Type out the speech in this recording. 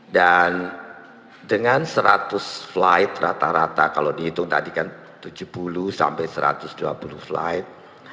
dan dengan seratus flight rata rata kalau dihitung tadi kan tujuh puluh sampai satu ratus dua puluh flight